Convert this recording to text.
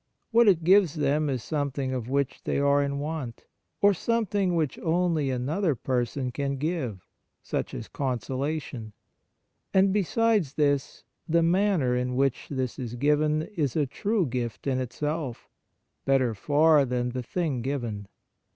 What it gives them is something of which they are in want, or something which only another person can give, such as consola tion; and besides this, the manner in w^hich this is given is a true gift in itself, better far On Kindness in General 21 than the thing given.